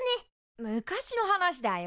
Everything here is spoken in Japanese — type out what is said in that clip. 昔の話だよ。